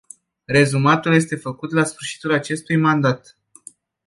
Rezumatul este făcut la sfârșitul acestui mandat.